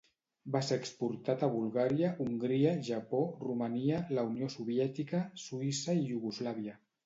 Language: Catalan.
Va ser exportat a Bulgària, Hongria, Japó, Romania, la Unió Soviètica, Suïssa i Iugoslàvia.